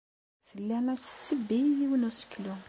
Tella la tettebbi yiwen n useklu.